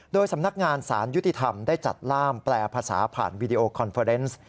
โดยสำนักงานสารยุติธรรมได้จัดล่ามแปลภาษาผ่านวีดีโอคอนเฟอร์เนส